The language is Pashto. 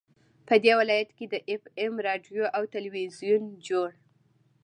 په دې ولايت كې د اېف اېم راډيو او ټېلوېزون جوړ